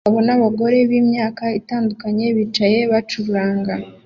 Abagabo n'abagore b'imyaka itandukanye bicara bacuranga